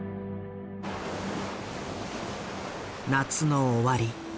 夏の終わり。